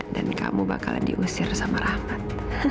dan kamu bakal diusir sama rahmat